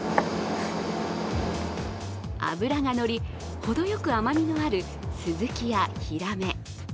脂が乗り、ほどよく甘みのあるスズキやヒラメ。